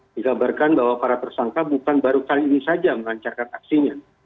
dikabarkan bahwa para tersangka bukan baru kali ini saja melancarkan aksinya